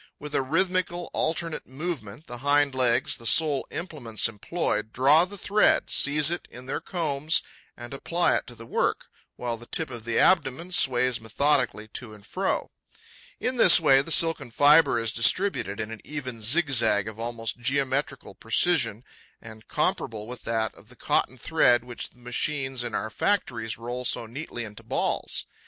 With a rhythmical, alternate movement, the hind legs, the sole implements employed, draw the thread, seize it in their combs and apply it to the work, while the tip of the abdomen sways methodically to and fro. In this way, the silken fibre is distributed in an even zigzag, of almost geometrical precision and comparable with that of the cotton thread which the machines in our factories roll so neatly into balls.